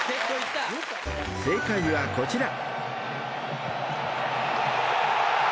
［正解はこちら］